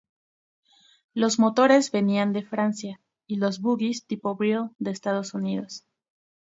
Los motores venían de Francia y los "bogies" tipo Brill de Estados Unidos.